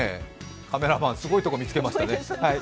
カメラマン、すごいところ見つけましたね。